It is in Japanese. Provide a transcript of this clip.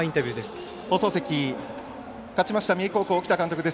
放送席、勝ちました三重高校沖田監督です。